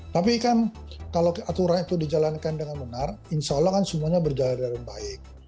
tapi kan kalau aturan itu dijalankan dengan benar insya allah kan semuanya berjalan dengan baik